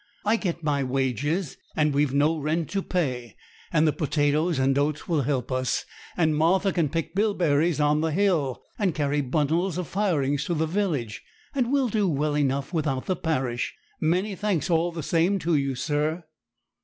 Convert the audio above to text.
I get my wages, and we've no rent to pay; and the potatoes and oats will help us; and Martha can pick bilberries on the hill, and carry bundles of firing to the village; and we'll do well enough without the parish. Many thanks all the same to you, sir.'